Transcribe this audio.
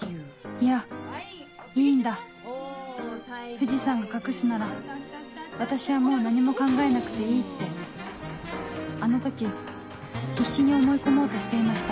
いやいいんだ藤さんが隠すなら私はもう何も考えなくていいってあの時必死に思い込もうとしていました